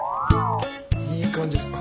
いい感じです。